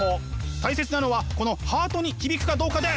大切なのはこのハートに響くかどうかです！